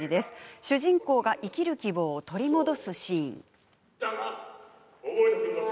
主人公が生きる希望を取り戻すシーンです。